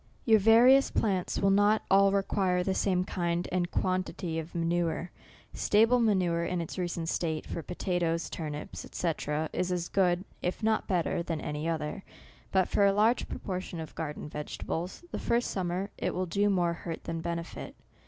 Your various plants will not all require the same kind and quantity of manure. Sta ble manure, in its recent state, for potatoes, turnips, &c. is as good, if not better than any other. But for a large proportion of garden vegetables, the first summer, it will do more hurt than benefit.